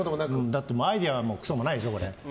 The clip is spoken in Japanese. だってアイデアもくそもないでしょ。